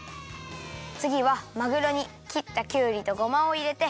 つぎはまぐろにきったきゅうりとごまをいれてまぜます。